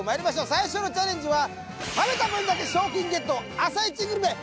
最初のチャレンジは。